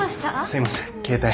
すいません携帯。